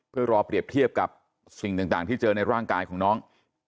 เพื่อรอเปรียบเทียบกับสิ่งต่างที่เจอในร่างกายของน้อง